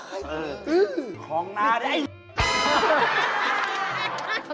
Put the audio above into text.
เดี๋ยวต้องให้เขาวิความสบาย